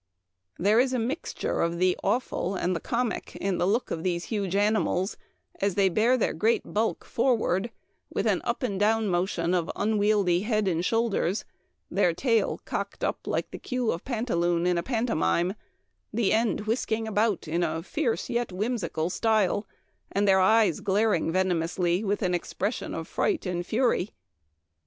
There is a mixture of the awful and the comic in the look of these huge animals as they bear their great bulk forward, with an up and down motion of unwieldy head and shoulders ; their tail cocked up like the queue of Pantaloon in a pantomime, the end whisking about in a fierce yet whimsical style, and their eyes glaring venomously with an expression of fright and fury.